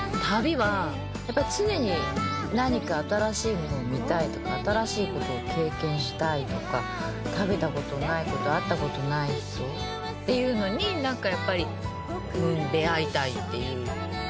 旅はやっぱり常に何か新しいものを見たいとか新しいことを経験したいとか食べたことないこと会ったことない人っていうのに何かやっぱり出会いたいっていう。